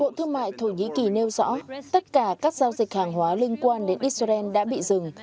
bộ thương mại thổ nhĩ kỳ nêu rõ tất cả các giao dịch hàng hóa liên quan đến israel đã bị dừng